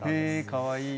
かわいい。